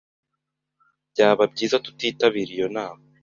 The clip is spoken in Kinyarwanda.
Byaba byiza tutitabiriye iyo nama.